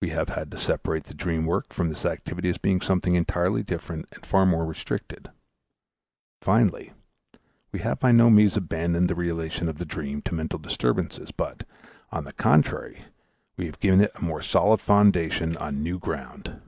We have had to separate the dream work from this activity as being something entirely different and far more restricted. Finally, we have by no means abandoned the relation of the dream to mental disturbances, but, on the contrary, we have given it a more solid foundation on new ground.